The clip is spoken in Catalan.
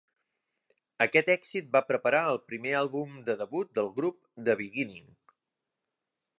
Aquest èxit va preparar el primer àlbum de debut del grup: "The Beginning".